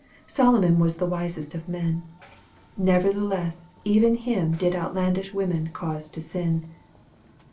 Solo non was the wisest of men. " Nevertheless even him Jid outlandish women cause to sin."